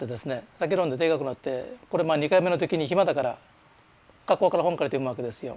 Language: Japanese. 酒飲んで停学になって２回目の時に暇だから学校から本借りて読むわけですよ。